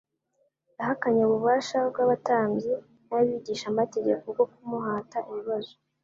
Yahakanye ububasha bw’abatambyi n’abigishamategeko bwo kumuhata ibibazo